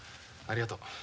ありがとう。